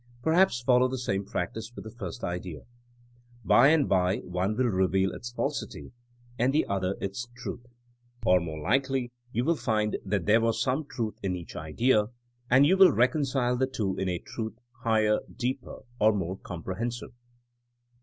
Perhaps follow the same practice with the first idea. By and by one will reveal its falsity and the other its truth. Or more likely you will find that there was some truth in each idea, and you will reconcile the two in a truth higher, deeper, or more comprehensive.